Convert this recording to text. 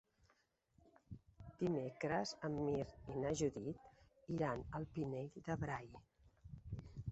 Dimecres en Mirt i na Judit iran al Pinell de Brai.